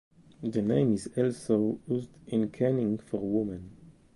The name is also used in kennings for women.